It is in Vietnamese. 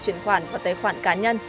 chuyển khoản và tế khoản cá nhân